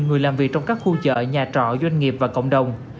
người làm việc trong các khu chợ nhà trọ doanh nghiệp và cộng đồng